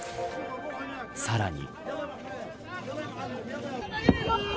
さらに。